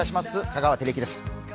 香川照之です。